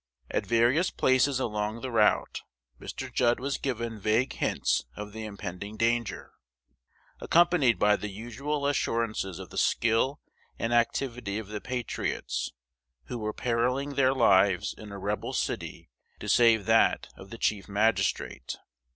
At various places along the route, Mr. Judd was given vague hints of the impending danger, accompanied by the usual assurances of the skill and activity of the patriots who were perilling their lives in a rebel city to save that of the Chief Magistrate.